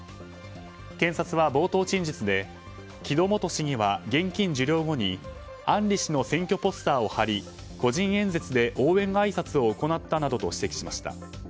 検察は冒頭陳述で木戸元市議は現金受領後に案里氏の選挙ポスターを貼り個人演説で応援あいさつを行ったなどと指摘しました。